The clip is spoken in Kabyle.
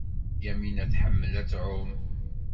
Yamina tḥemmel ad tɛum.